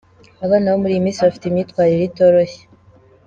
Abana bo muri iyi minsi bafite imyitwarire itoroshye.